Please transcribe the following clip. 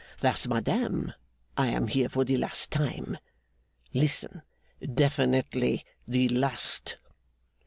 Thus, madame, I am here for the last time. Listen! Definitely the last.